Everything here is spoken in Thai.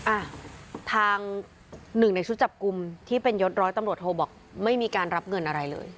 อ่ะทางหนึ่งในชุดจับกลุ่มที่เป็นยศร้อยตำรวจโทบอกไม่มีการรับเงินอะไรเลย